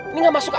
ini gak masuk akal